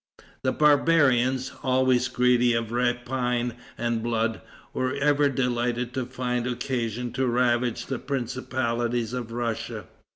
The barbarians, always greedy of rapine and blood, were ever delighted to find occasion to ravage the principalities of Russia.